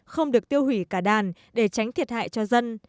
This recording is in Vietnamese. không được tiêu hủy cả đàn để tránh thiệt hại cho dân